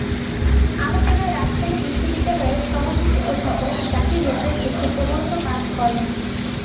আলোচনায় রাজশাহী বিশ্ববিদ্যালয়ের সহযোগী অধ্যাপক জাকির হোসেন একটি প্রবন্ধ পাঠ করেন।